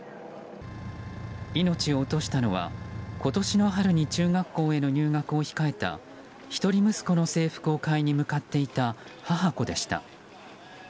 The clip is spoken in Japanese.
命を落としたのは、今年の春に中学校への入学を控えた一人息子の制服を買いに向かっていた母子でした。